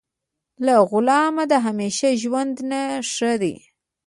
له غلام د همیشه ژوند نه ښه دی.